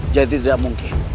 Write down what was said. jadi tidak mungkin